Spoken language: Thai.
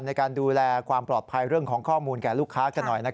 ในการดูแลความปลอดภัยเรื่องของข้อมูลแก่ลูกค้ากันหน่อย